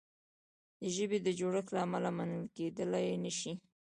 د ژبې د جوړښت له امله منل کیدلای نه شي.